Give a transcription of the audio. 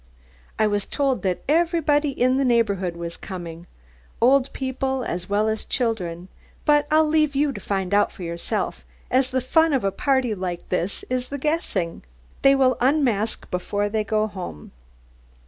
I was told that everybody in the neighbourhood was coming; old people as well as children, but I'll leave you to find out for yourself, as the fun of a party like this is in the guessing. They will unmask before they go home."